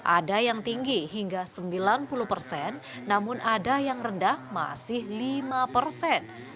ada yang tinggi hingga sembilan puluh persen namun ada yang rendah masih lima persen